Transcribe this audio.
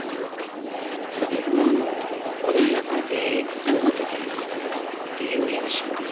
とても穏やかで、でも、とても活発なっていう印象です。